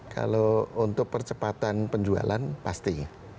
kalau untuk percepatan penjualan pasti